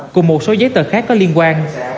cùng một số giấy tờ khác có liên quan